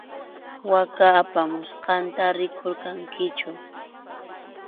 Waka apamusqanta rikurqankichu.